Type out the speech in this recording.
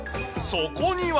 そこには。